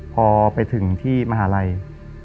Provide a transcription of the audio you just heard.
พอไปถึงที่มหาวิทยาลัย